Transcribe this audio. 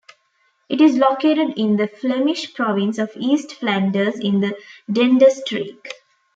It is located in the Flemish province of East Flanders in the Denderstreek.